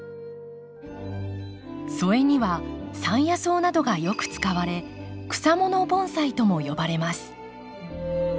添えには山野草などがよく使われ草もの盆栽とも呼ばれます。